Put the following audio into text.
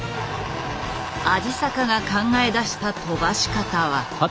鯵坂が考え出した飛ばし方は。